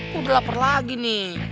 udah lapar lagi nih